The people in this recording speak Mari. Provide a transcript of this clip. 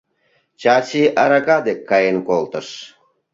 Чачи арака дек каен колтыш.